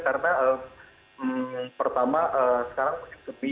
karena pertama sekarang musim sepi